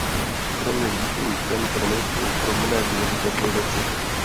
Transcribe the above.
Kromě zvýšení cen krmiv jsou pro mne důležité dvě věci.